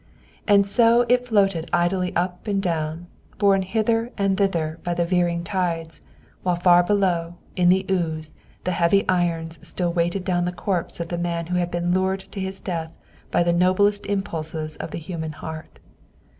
And so it floated idly up and down, borne hither and thither by the veering tides, while far below, on the ooze, the heavy irons still weighted down the corpse of the man who had been lured to his death by the noblest impulses of the human heart.